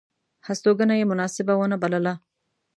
هستوګنه یې مناسبه ونه بلله.